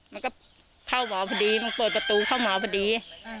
มันก็เข้าหมอพอดีมึงเปิดประตูเข้าหมอพอดี